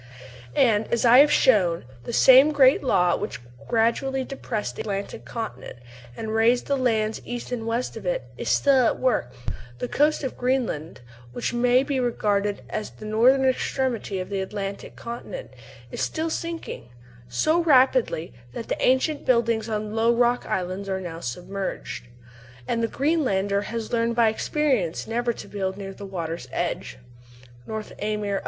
And, as I have shown, the same great law which gradually depressed the Atlantic continent, and raised the lands east and west of it, is still at work: the coast of Greenland, which may be regarded as the northern extremity of the Atlantic continent, is still sinking "so rapidly that ancient buildings on low rock islands are now submerged, and the Greenlander has learned by experience never to build near the water's edge," ("North Amer.